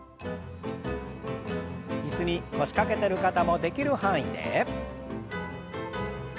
椅子に腰掛けてる方もできる範囲で。